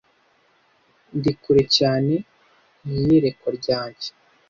Ndi kure cyane niyerekwa ryanjye.